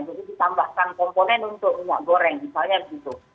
jadi ditambahkan komponen untuk minyak goreng misalnya gitu